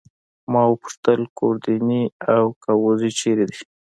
ما وپوښتل: ګوردیني او ګاووزي چيري دي؟